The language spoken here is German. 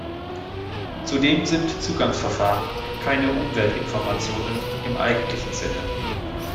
Zudem sind Zugangsverfahren keine Umweltinformationen im eigentlichen Sinne.